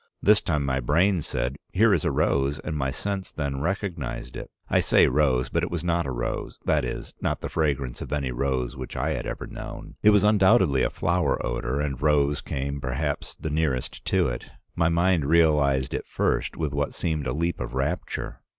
This time my brain said, 'Here is a rose,' and my sense then recognized it. I say rose, but it was not a rose, that is, not the fragrance of any rose which I had ever known. It was undoubtedly a flower odor, and rose came perhaps the nearest to it. My mind realized it first with what seemed a leap of rapture.